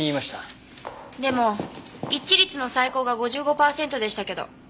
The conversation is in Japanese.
でも一致率の最高が５５パーセントでしたけど。